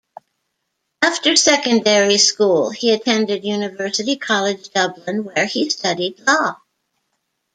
After secondary school, he attended University College Dublin where he studied law.